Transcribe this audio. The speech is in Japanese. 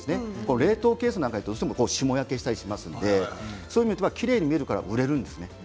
冷凍ケースだと霜焼けしたりしますのでそういう意味はきれいに見えるから、売れるんですね。